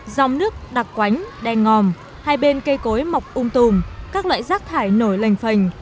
dòng nước đặc quánh đen ngòm hai bên cây cối mọc ung tùm các loại rác thải nổi lành phành